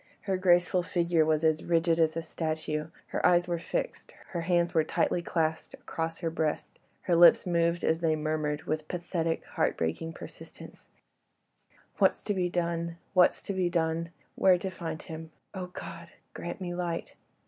Her graceful figure was as rigid as a statue, her eyes were fixed, her hands were tightly clasped across her breast; her lips moved as they murmured with pathetic heart breaking persistence,— "What's to be done? What's to be done? Where to find him?—Oh, God! grant me light."